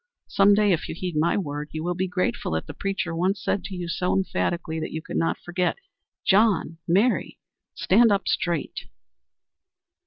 Some day, if you heed my word, you will be grateful that the preacher once said to you so emphatically that you could not forget, "John, Mary, stand up straight."